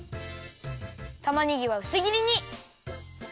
たまねぎはうすぎりに。